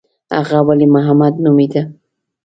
هغه ولي محمد نومېده.